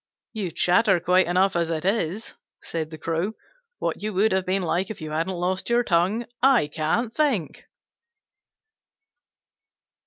"You chatter quite enough as it is," said the Crow. "What you would have been like if you hadn't lost your tongue, I can't think."